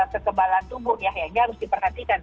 kekebalan tubuh yang harus diperhatikan